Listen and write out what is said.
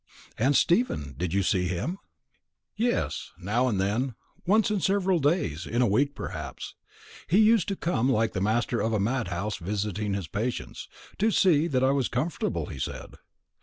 "And Stephen; did you see him?" "Yes, now and then once in several days, in a week perhaps. He used to come, like the master of a madhouse visiting his patients, to see that I was comfortable, he said.